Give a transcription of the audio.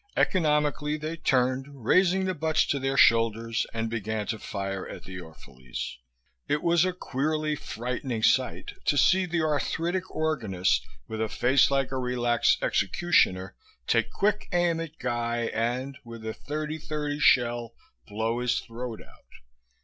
Economically they turned, raising the butts to their shoulders, and began to fire at the Orphalese. It was a queerly frightening sight to see the arthritic organist, with a face like a relaxed executioner, take quick aim at Guy and, with a thirty thirty shell, blow his throat out.